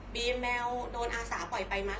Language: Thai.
บิ๊มแมวโดนอาสาปล่อยไปมั้ง